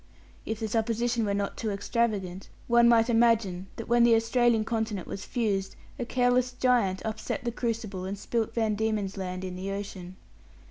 If the supposition were not too extravagant, one might imagine that when the Australian continent was fused, a careless giant upset the crucible, and spilt Van Diemen's land in the ocean.